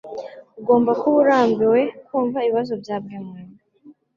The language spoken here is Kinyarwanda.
Ugomba kuba urambiwe kumva ibibazo bya buri muntu